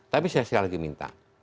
tapi saya sekali lagi minta